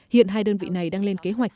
hiện hai đơn vị này đang lên kế hoạch